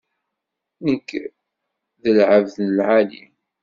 Nekk d lεebd n lεali.